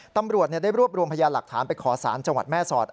ตำรวจได้รวบรวมพยานหลักฐานไปขอสารจังหวัดแม่สอด